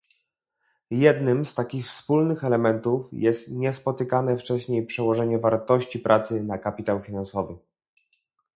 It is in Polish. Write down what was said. Jednym z takich wspólnych elementów jest niespotykane wcześniej przełożenie wartości pracy na kapitał finansowy